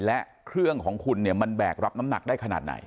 และเครื่องของคุณเนี่ยมันแบกรับน้ำหนักได้ขนาดไหน